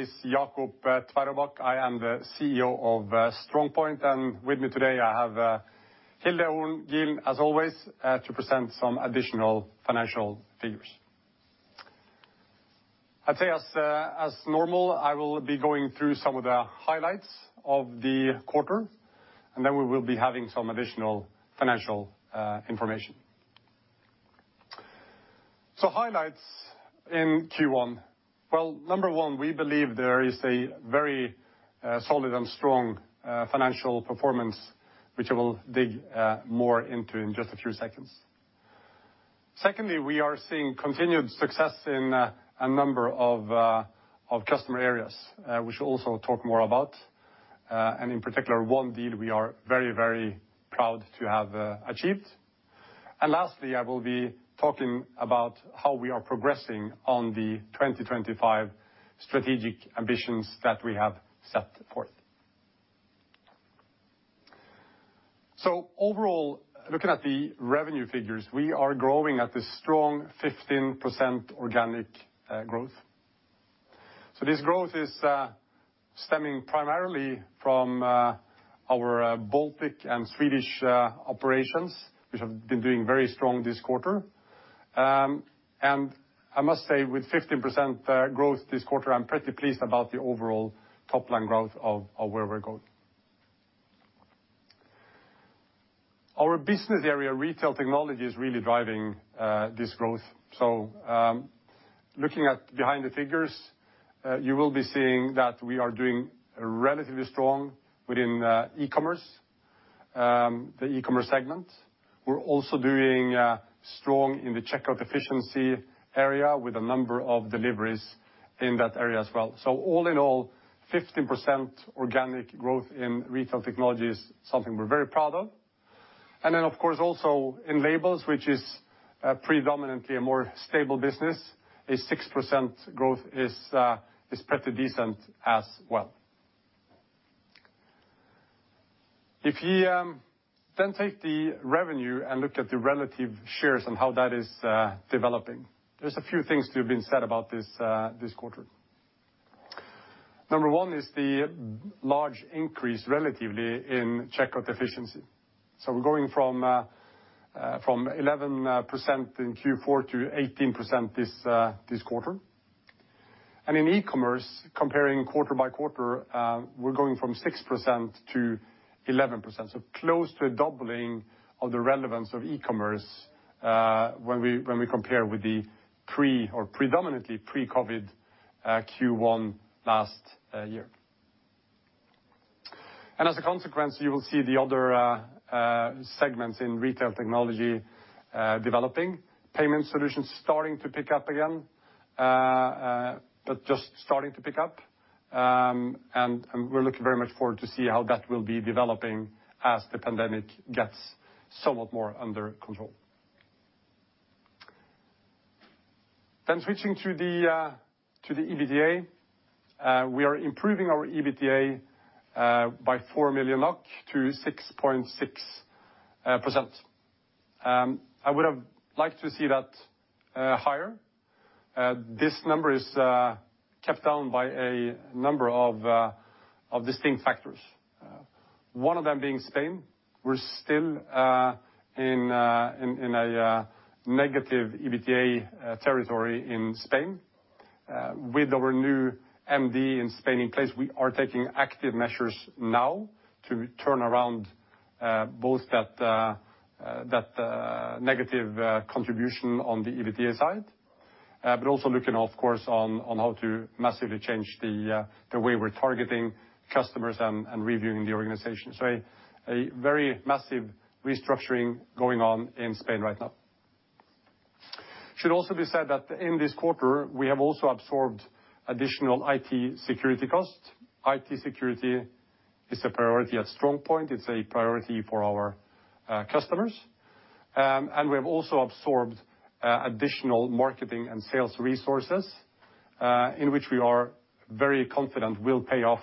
It's Jacob Tveraabak. I am the CEO of StrongPoint, and with me today I have Hilde Horn Gilen, as always, to present some additional financial figures. I'd say as normal, I will be going through some of the highlights of the quarter. Then we will be having some additional financial information. Highlights in Q1. Well, number one, we believe there is a very solid and strong financial performance, which I will dig more into in just a few seconds. Secondly, we are seeing continued success in a number of customer areas, which I'll also talk more about. In particular, one deal we are very proud to have achieved. Lastly, I will be talking about how we are progressing on the 2025 strategic ambitions that we have set forth. Overall, looking at the revenue figures, we are growing at a strong 15% organic growth. This growth is stemming primarily from our Baltic and Swedish operations, which have been doing very strong this quarter. I must say, with 15% growth this quarter, I'm pretty pleased about the overall top-line growth of where we're going. Our business area, retail technology, is really driving this growth. Looking at behind the figures, you will be seeing that we are doing relatively strong within e-commerce, the e-commerce segment. We're also doing strong in the checkout efficiency area with a number of deliveries in that area as well. All in all, 15% organic growth in retail technology is something we're very proud of. Of course, also in labels, which is predominantly a more stable business, a 6% growth is pretty decent as well. If you take the revenue and look at the relative shares and how that is developing, there's a few things to have been said about this quarter. Number one is the large increase relatively in checkout efficiency. We're going from 11% in Q4 to 18% this quarter. In e-commerce, comparing quarter by quarter, we're going from 6% to 11%. Close to a doubling of the relevance of e-commerce when we compare with the pre, or predominantly pre-COVID, Q1 last year. As a consequence, you will see the other segments in retail technology developing, payment solutions starting to pick up again, but just starting to pick up. We're looking very much forward to see how that will be developing as the pandemic gets somewhat more under control. Switching to the EBITDA. We are improving our EBITDA by 4 million NOK to 6.6%. I would have liked to see that higher. This number is kept down by a number of distinct factors. One of them being Spain. We're still in a negative EBITDA territory in Spain. With our new MD in Spain in place, we are taking active measures now to turn around both that negative contribution on the EBITDA side but also looking, of course, on how to massively change the way we're targeting customers and reviewing the organization. A very massive restructuring going on in Spain right now. It should also be said that in this quarter, we have also absorbed additional IT security costs. IT security is a priority at StrongPoint. It's a priority for our customers. We have also absorbed additional marketing and sales resources, in which we are very confident will pay off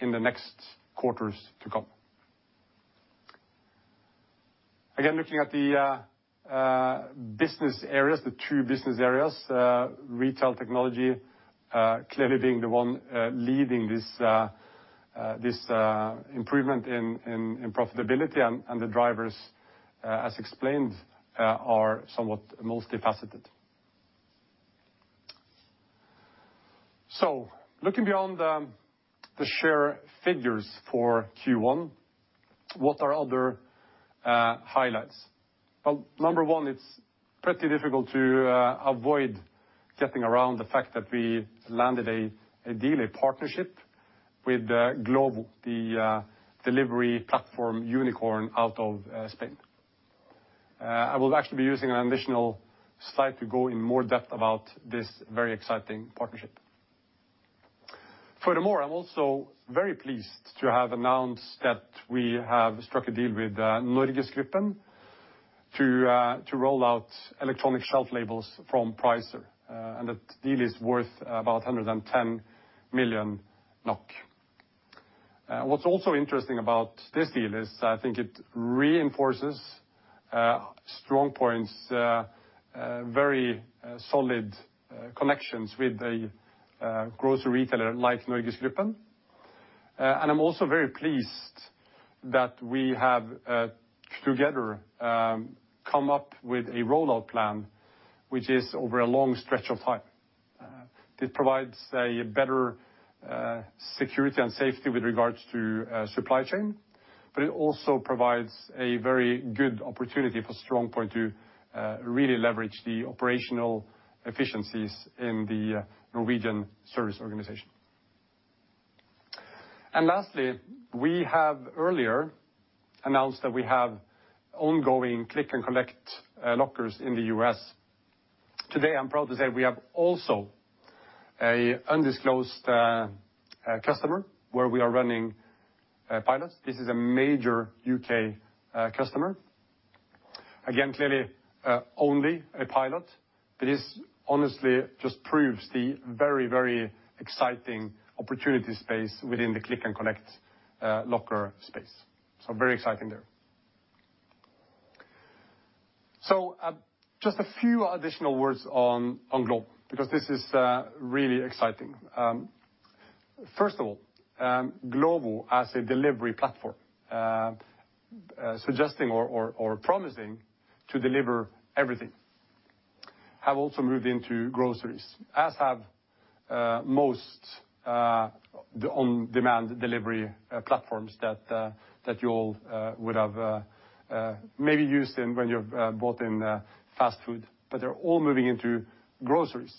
in the next quarters to come. Again, looking at the business areas, the two business areas, retail technology clearly being the one leading this improvement in profitability and the drivers, as explained, are somewhat multifaceted. Looking beyond the share figures for Q1, what are other highlights? Well, number one, it's pretty difficult to avoid getting around the fact that we landed a deal, a partnership with Glovo, the delivery platform unicorn out of Spain. I will actually be using an additional slide to go in more depth about this very exciting partnership. Furthermore, I'm also very pleased to have announced that we have struck a deal with NorgesGruppen to roll out electronic shelf labels from Pricer. That deal is worth about 110 million NOK. What's also interesting about this deal is I think it reinforces StrongPoint's very solid connections with a grocery retailer like NorgesGruppen. I'm also very pleased that we have together come up with a rollout plan, which is over a long stretch of time. This provides a better security and safety with regards to supply chain, but it also provides a very good opportunity for StrongPoint to really leverage the operational efficiencies in the Norwegian service organization. Lastly, we have earlier announced that we have ongoing click-and-collect lockers in the U.S. Today, I'm proud to say we have also an undisclosed customer where we are running pilots. This is a major U.K. customer. Again, clearly, only a pilot, but this honestly just proves the very exciting opportunity space within the click-and-collect locker space. Very exciting there. Just a few additional words on Glovo, because this is really exciting. Glovo, as a delivery platform suggesting or promising to deliver everything, have also moved into groceries, as have most on-demand delivery platforms that you all would have maybe used when you've bought fast food; they're all moving into groceries.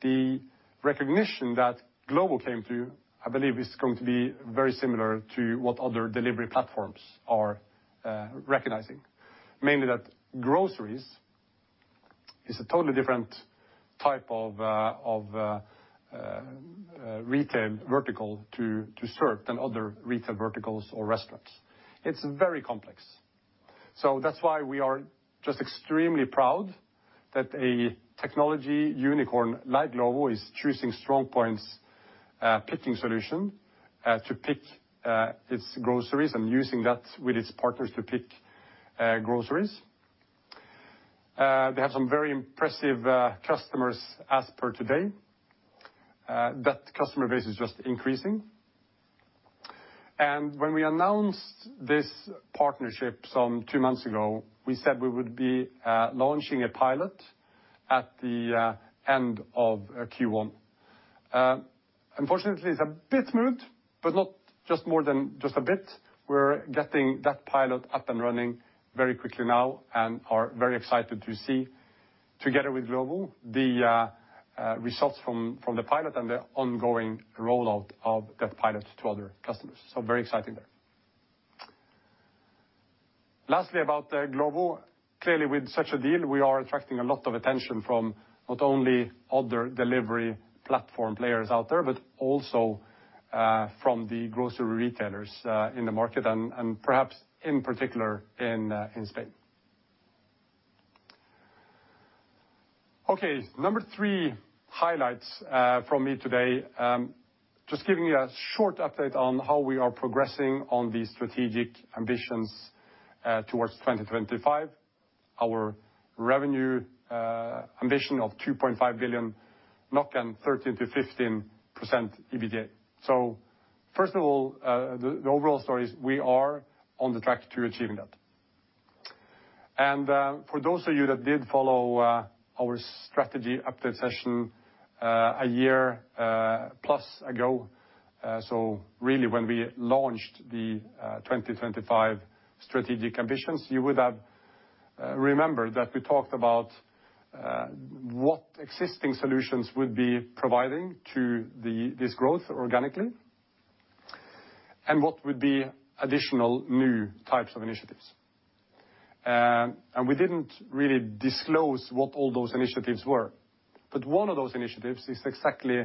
The recognition that Glovo came to, I believe, is going to be very similar to what other delivery platforms are recognizing. Mainly that groceries is a totally different type of retail vertical to serve than other retail verticals or restaurants. It's very complex. That's why we are just extremely proud that a technology unicorn like Glovo is choosing StrongPoint's picking solution to pick its groceries and using that with its partners to pick groceries. They have some very impressive customers as per today. That customer base is just increasing. When we announced this partnership some two months ago, we said we would be launching a pilot at the end of Q1. Unfortunately, it's a bit slow, but not just more than just a bit. We're getting that pilot up and running very quickly now and are very excited to see, together with Glovo, the results from the pilot and the ongoing rollout of that pilot to other customers. Very exciting there. Lastly, about Glovo, clearly with such a deal, we are attracting a lot of attention from not only other delivery platform players out there but also from the grocery retailers in the market and perhaps in particular in Spain. Okay, number three highlights from me today, just giving you a short update on how we are progressing on the strategic ambitions towards 2025, our revenue ambition of NOK 2.5 billion, and 13%-15% EBITDA. First of all, the overall story is we are on the track to achieving that. For those of you that did follow our strategy update session a year plus ago, really when we launched the 2025 strategic ambitions, you would have remembered that we talked about what existing solutions would be providing to this growth organically and what would be additional new types of initiatives. We didn't really disclose what all those initiatives were. One of those initiatives is exactly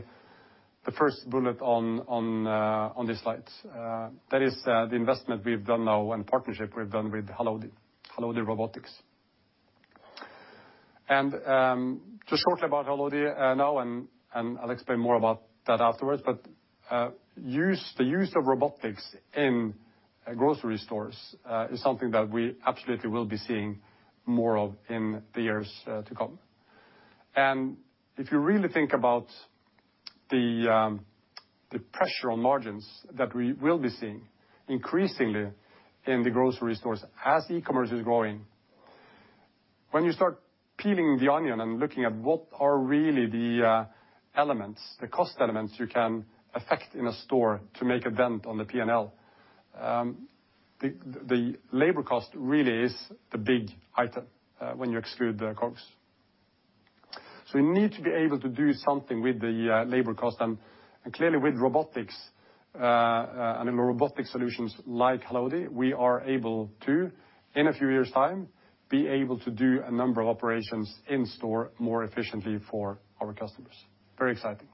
the first bullet on this slide. That is the investment we've done now and the partnership we've done with Halodi Robotics. Just shortly about Halodi now, and I'll explain more about that afterwards; the use of robotics in grocery stores is something that we absolutely will be seeing more of in the years to come. If you really think about the pressure on margins that we will be seeing increasingly in the grocery stores as e-commerce is growing, when you start peeling the onion and looking at what are really the elements, the cost elements you can affect in a store to make a dent on the P&L, the labor cost really is the big item when you exclude the COGS. We need to be able to do something with the labor cost, and clearly with robotics and robotic solutions like Halodi, we are able to, in a few years' time, be able to do a number of operations in-store more efficiently for our customers. Very exciting.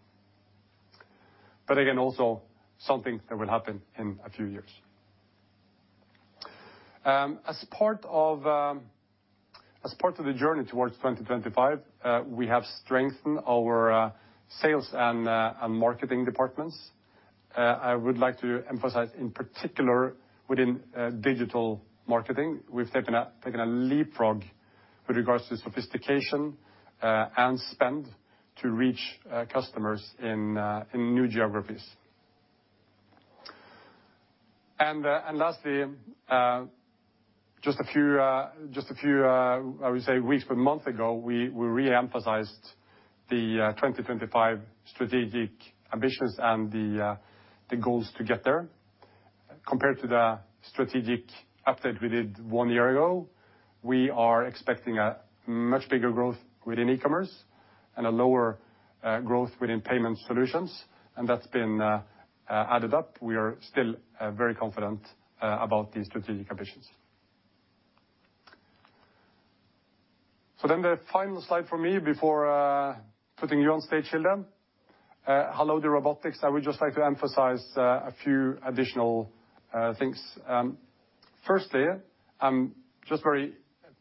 Again, also something that will happen in a few years. As part of the journey towards 2025, we have strengthened our sales and marketing departments. I would like to emphasize, in particular within digital marketing, we've taken a leapfrog with regard to sophistication and spend to reach customers in new geographies. Lastly, just a few, I would say weeks, but a month ago, we re-emphasized the 2025 strategic ambitions and the goals to get there. Compared to the strategic update we did one year ago, we are expecting much bigger growth within e-commerce and a lower growth within payment solutions, and that's been added up. We are still very confident about the strategic ambitions. The final slide from me before putting you on stage, Hilde. Halodi Robotics. I would just like to emphasize a few additional things. Firstly, I'm just very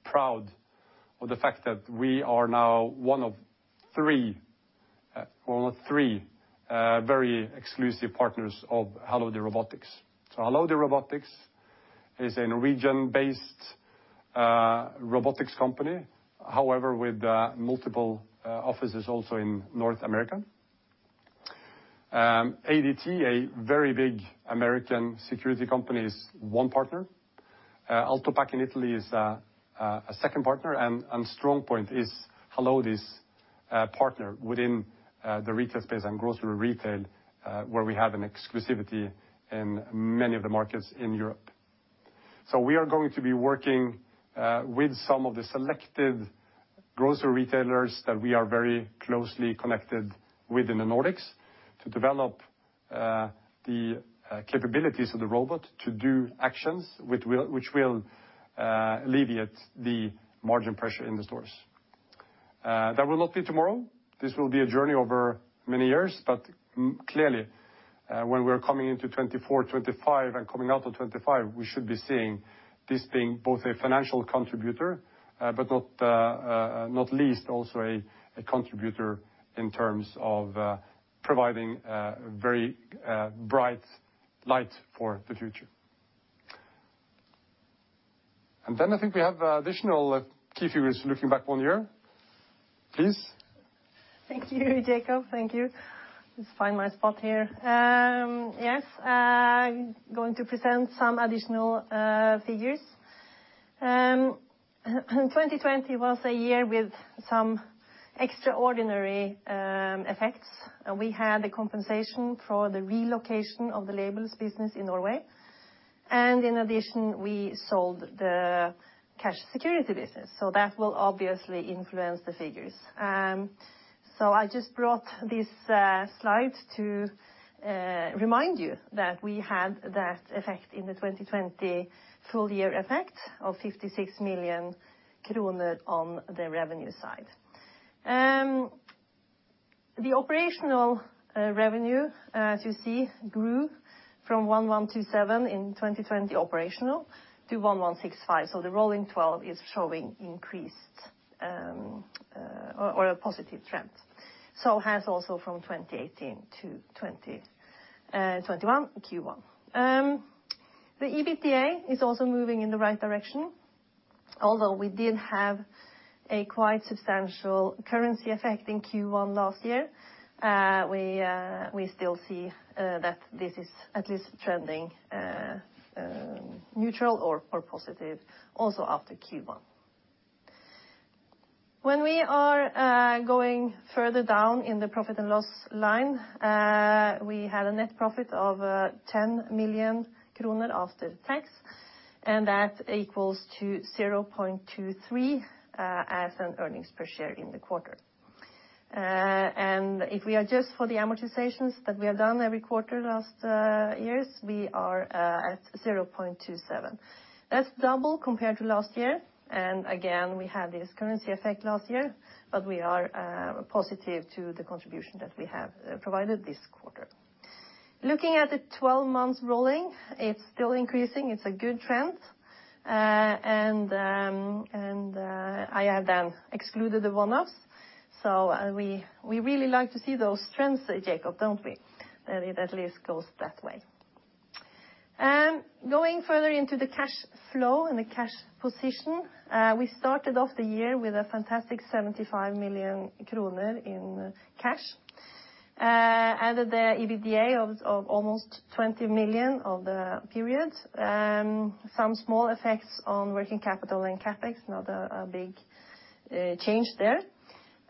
proud of the fact that we are now one of three very exclusive partners of Halodi Robotics. Halodi Robotics is a Norwegian-based robotics company, however, with multiple offices also in North America. ADT, a very big American security company, is one partner. Altopack in Italy is a second partner, and StrongPoint is Halodi's partner within the retail space and grocery retail, where we have an exclusivity in many of the markets in Europe. We are going to be working with some of the selected grocery retailers that we are very closely connected with in the Nordics to develop the capabilities of the robot to do actions, which will alleviate the margin pressure in the stores. That will not be tomorrow. This will be a journey over many years, but clearly, when we're coming into 2024, 2025 and coming out of 2025, we should be seeing this being both a financial contributor, but not least, also a contributor in terms of providing a very bright light for the future. I think we have additional key figures looking back one year. Please. Thank you, Jacob. Thank you. Let's find my spot here. Yes, I'm going to present some additional figures. 2020 was a year with some extraordinary effects. We had a compensation for the relocation of the labels business in Norway, and in addition, we sold the cash security business. That will obviously influence the figures. I just brought this slide to remind you that we had that effect in the 2020 full-year effect of 56 million kroner on the revenue side. The operational revenue, as you see, grew from 1,127 in 2020 operational to 1,165. The rolling 12 is showing increased or a positive trend. Has also from 2018 to 2021 Q1. The EBITDA is also moving in the right direction, although we did have a quite substantial currency effect in Q1 last year. We still see that this is at least trending neutral or positive also after Q1. We are going further down in the P&L line. We had a net profit of 10 million kroner after tax, and that equals to 0.23 as an earnings per share in the quarter. If we adjust for the amortizations that we have done every quarter last year, we are at 0.27. That's double compared to last year. Again, we had this currency effect last year. We are positive to the contribution that we have provided this quarter. Looking at the 12 months rolling, it's still increasing. It's a good trend. I have then excluded the one-offs. We really like to see those trends, Jacob, don't we? That it at least goes that way. Going further into the cash flow and the cash position. We started off the year with a fantastic 75 million kroner in cash. Added the EBITDA of almost 20 million of the period. Some small effects on working capital and CapEx, not a big change there.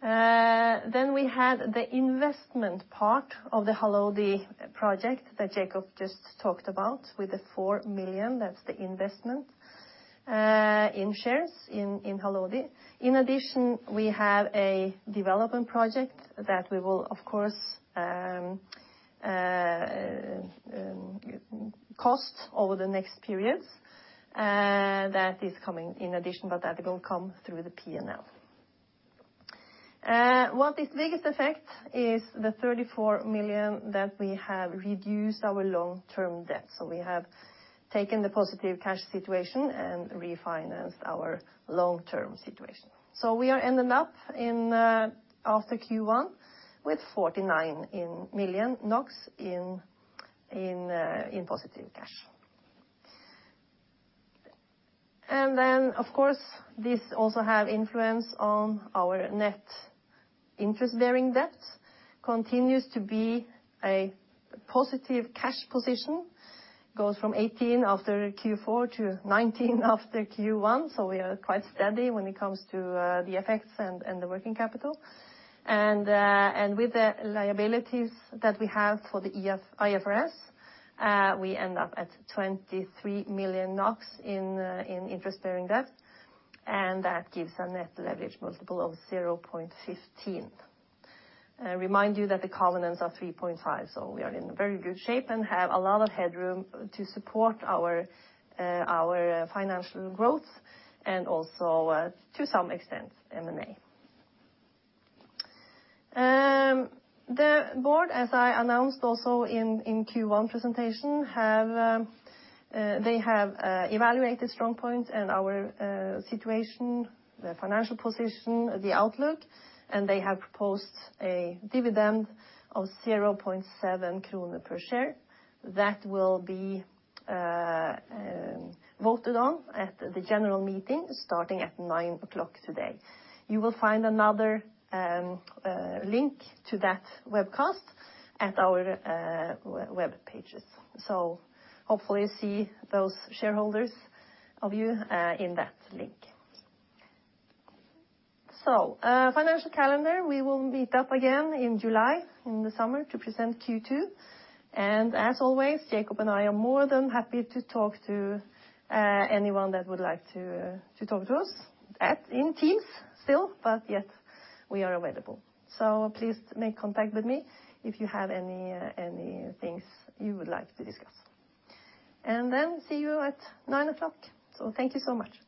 We had the investment part of the Halodi project that Jacob just talked about with 4 million. That's the investment in shares in Halodi. In addition, we have a development project that we will, of course, cost over the next periods. That is coming in addition, but that will come through the P&L. What is the biggest effect is the 34 million that we have reduced our long-term debt. We have taken the positive cash situation and refinanced our long-term situation. We are ending up after Q1 with 49 million NOK in positive cash. Of course, this also have influence on our net interest-bearing debt, continues to be a positive cash position, goes from 18 after Q4 to 19 after Q1. We are quite steady when it comes to the effects and the working capital. With the liabilities that we have for the IFRS, we end up at 23 million NOK in interest-bearing debt, and that gives a net leverage multiple of 0.15. I remind you that the covenants are 3.5, so we are in very good shape and have a lot of headroom to support our financial growth and also, to some extent, M&A. The board, as I announced also in Q1 presentation, they have evaluated StrongPoint and our situation, the financial position, the outlook, and they have proposed a dividend of 0.7 kroner per share that will be voted on at the general meeting starting at 9:00 A.M. today. You will find another link to that webcast at our web pages. Hopefully see those shareholders of you in that link. Financial calendar, we will meet up again in July in the summer to present Q2. As always, Jacob and I are more than happy to talk to anyone that would like to talk to us in Teams still, but yes, we are available. Please make contact with me if you have anything you would like to discuss. See you at 9:00. Thank you so much.